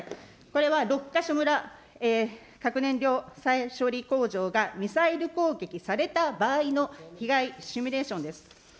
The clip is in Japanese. これは六ケ所村核燃料再処理工場がミサイル攻撃された場合の被害シミュレーションです。